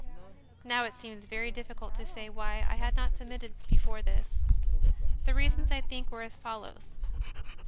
5. Now it seems very difficult to say why I had not submitted before this. The reasons, I think, were as follows.